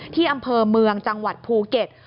ที่อำเภอเมืองจังหวัดภูเก็ต